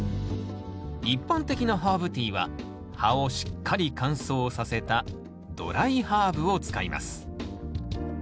一般的なハーブティーは葉をしっかり乾燥させたドライハーブを使います。